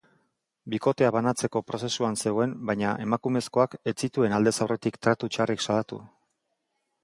Bikotea banatzeko prozesuan zegoen baina emakumezkoak ez zituen aldez aurretik tratu txarrik salatu.